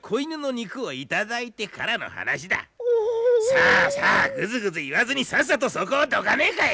さあさあグスグズ言わずにさっさとそこをどかねえかい！